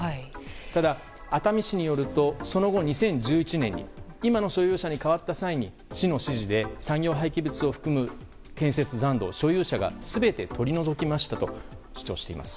ただ、熱海市によるとその後、２０１１年に今の所有者に変わった際に市の指示で産業廃棄物を含む建設残土を、所有者が全て取り除きましたと主張しています。